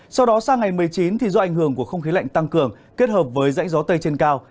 sau đó sang ngày một mươi chín thì do ảnh hưởng của không khí lạnh tăng cường kết hợp với rãnh gió tây trên cao